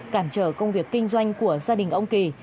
cản trở công việc kinh doanh của gia đình ông kỳ